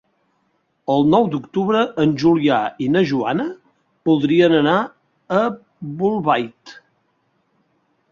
El nou d'octubre en Julià i na Joana voldrien anar a Bolbait.